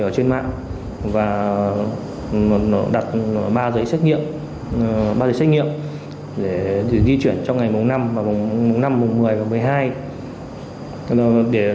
trên mạng và đặt ba giấy xét nghiệm để di chuyển trong ngày mùng năm mùng một mươi và mùng một mươi hai